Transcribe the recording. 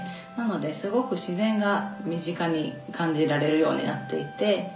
なのですごく自然が身近に感じられるようになっていて。